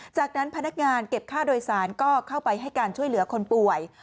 จากนั้นพนักงานเก็บค่าโดยสารก็เข้าไปให้การช่วยเหลือคนป่วย